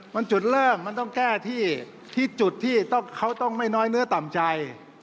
มันจุดเริ่มมันต้องแก้ที่จุดที่เขาต้องไม่น้อยเนื้อต่ำใจ